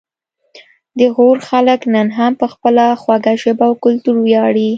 د غور خلک نن هم په خپله خوږه ژبه او کلتور ویاړي